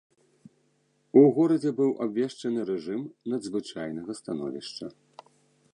У горадзе быў абвешчаны рэжым надзвычайнага становішча.